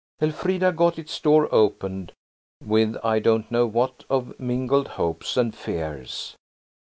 Elfrida got its door open with I don't know what of mingled hopes and fears.